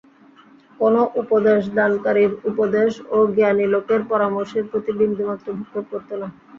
কোন উপদেশদানকারীর উপদেশ ও জ্ঞানী লোকের পরামর্শের প্রতি বিন্দুমাত্র ভ্রুক্ষেপ করতো না।